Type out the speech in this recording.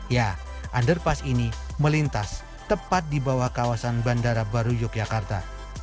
ya underpass ini melintas tepat di bawah kawasan bandara baru yogyakarta